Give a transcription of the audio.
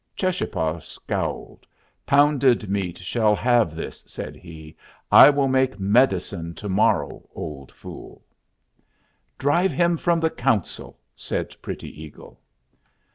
Cheschapah scowled. "Pounded Meat shall have this," said he. "I will make medicine to morrow, old fool!" "Drive him from the council!" said Pretty Eagle.